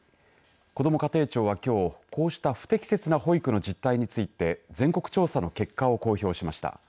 こども家庭庁はきょう、こうした不適切な保育の実態について全国調査の結果を公表しました。